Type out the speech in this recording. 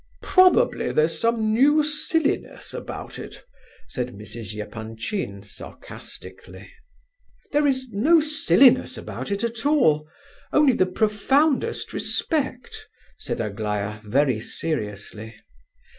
"Probably there's some new silliness about it," said Mrs. Epanchin, sarcastically. "There is no silliness about it at all—only the profoundest respect," said Aglaya, very seriously.